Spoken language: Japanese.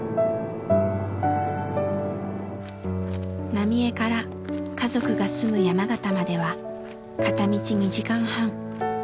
浪江から家族が住む山形までは片道２時間半。